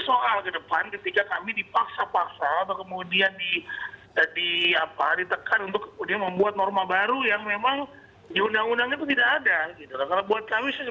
sama pendapat kami diantara tujuh komisioner bahwa kami akan tetap menggunakan pada kpu yang saat ini berlaku